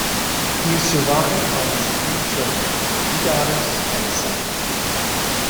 He is survived by his three children - two daughters and a son.